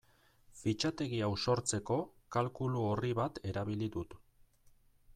Fitxategi hau sortzeko kalkulu-orri bat erabili dut.